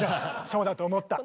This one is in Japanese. そうだと思った。